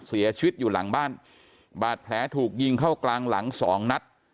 เสียชีวิตอยู่หลังบ้านบาดแผลถูกยิงเข้ากลางหลังสองนัด